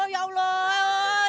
oh ya allah